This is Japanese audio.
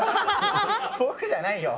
僕じゃないよ。